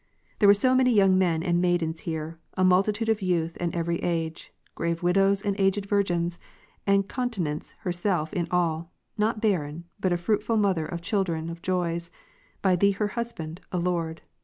There were so many young men and maidens here, a multitude of youth and every age, grave M'idows and aged virgins ; and Continence herself in all, not barren, but a fruitful mother of children of joys, by Thee her Husband, O Lord.